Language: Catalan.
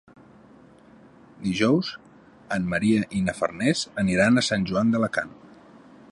Dijous en Maria i na Farners aniran a Sant Joan d'Alacant.